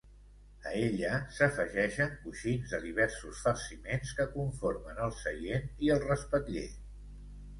A ella s'afegeixen coixins de diversos farciments que conformen el seient i el respatller.